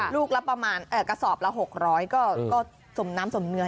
ลูกละประมาณกระสอบละ๖๐๐ก็สมน้ำสมเนื้อ